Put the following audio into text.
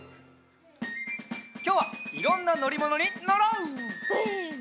きょうはいろんなのりものにのろう！せの！